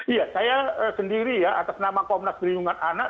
iya saya sendiri ya atas nama komnas perlindungan anak